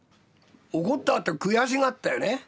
怒ったあと悔しがったよね。